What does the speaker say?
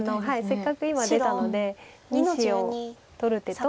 せっかく今出たので２子を取る手と。